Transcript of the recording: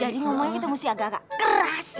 jadi ngomongnya itu mesti agak agak keras bok